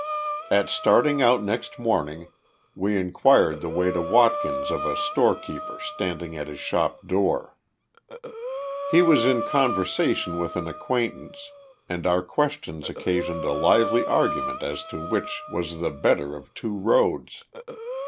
At starting out next morning, we inquired the way to Watkins of a storekeeper standing at his shop door. He was in conversation with an acquaintance, and our questions occasioned a lively argument as to which was the better of two roads.